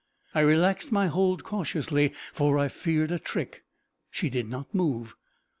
I relaxed my hold cautiously, for I feared a trick. She did not move.